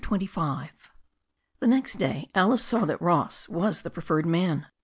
CHAPTER XXV THE next day Alice saw that Ross was the pre ferred man.